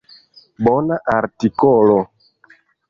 Bona artikolo.